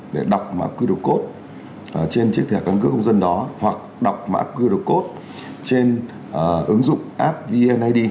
để đọc mã qr code trên chiếc thẻ căn cước công dân đó hoặc đọc mã qr code trên ứng dụng app vneid